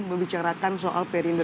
membicarakan soal perindolp